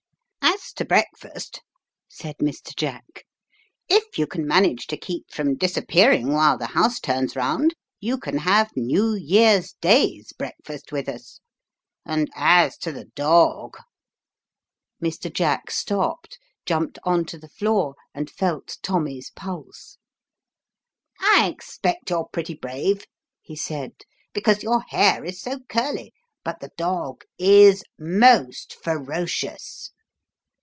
" As to breakfast," said Mr. Jack, "if you can manage to keep from disappear 60 The dog's intentions are worse than his bites. ing while the house turns round, you can have New Year's Day's breakfast with us ; and as to the dog " Mr. Jack stopped, jumped on to the floor, and felt Tommy's pulse." " I expect you're pretty brave," he said, "because your hair is so curly; but the dog is most ferocious."